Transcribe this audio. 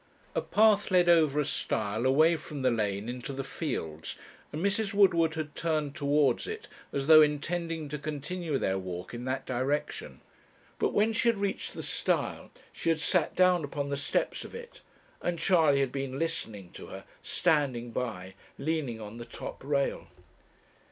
A path led over a stile away from the lane into the fields, and Mrs. Woodward had turned towards it, as though intending to continue their walk in that direction. But when she had reached the stile, she had sat down upon the steps of it, and Charley had been listening to her, standing by, leaning on the top rail.